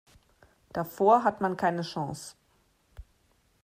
Davor hat man keine Chance.